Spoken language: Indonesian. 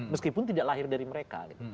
meskipun tidak lahir dari mereka